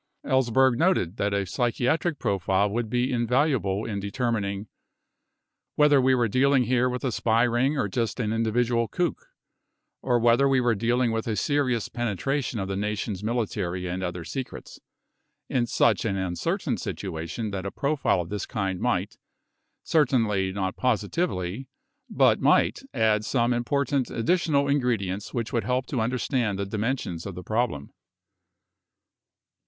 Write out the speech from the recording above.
Ehrlichman noted that a psychiatric profile would be invaluable in determining :... whether we were dealing here with a spy ring or just an individual kook, or whether we were dealing with a serious penetration of the Nation's military and other secrets, in such an uncertain situation that a profile of this kind might, cer tainly not positively, but might add some important addi tional ingredients which would help to understand the dimen sions of the problem.